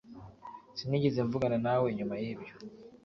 Sinigeze mvugana nawe nyuma yibyo